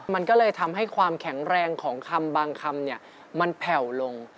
มันก็เลยทำให้ความแข็งแรงของคำบางคำเนี่ยมันแผ่วลง